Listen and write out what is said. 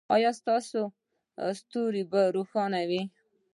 ایا ستاسو ستوری به روښانه وي؟